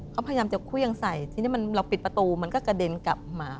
เขาพยายามจะเครื่องใส่ทีนี้เราปิดประตูมันก็กระเด็นกลับมา